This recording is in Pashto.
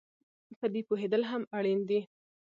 په دې پوهېدل هم اړین دي